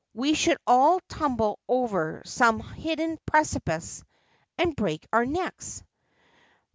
We should all tumble over some hidden precipice, and break our necks.'